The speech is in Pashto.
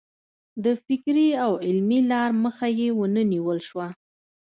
د فکري او علمي لار مخه یې ونه نیول شوه.